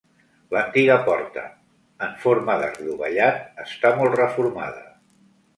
L'antiga porta en forma d'arc dovellat està molt reformada.